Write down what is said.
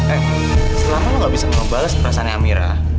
eh selama lo gak bisa ngebales perasaan amira